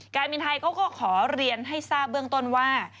การบินไทยเขาก็ขอเรียนให้ทราบเบื้องต้นว่า